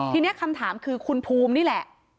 ทีนี้คำถามคือคุณภูมินี่แหละ